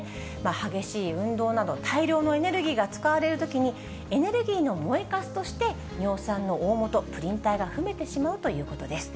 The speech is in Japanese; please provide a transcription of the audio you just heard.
激しい運動など大量のエネルギーが使われるときに、エネルギーの燃えかすとして、尿酸の大本、プリン体が増えてしまうということです。